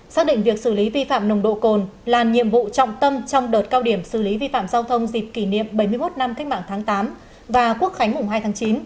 xác định việc xử lý vi phạm nồng độ cồn là nhiệm vụ trọng tâm trong đợt cao điểm xử lý vi phạm giao thông dịp kỷ niệm bảy mươi một năm cách mạng tháng tám và quốc khánh mùng hai tháng chín